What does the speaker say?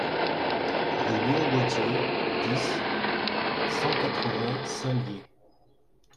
Rue Léon Gauthier, dix, cent quatre-vingts Saint-Lyé